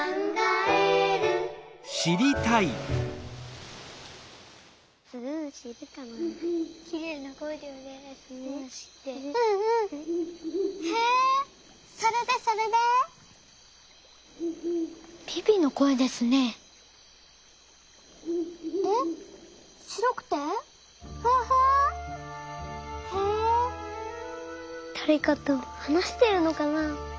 だれかとはなしてるのかな？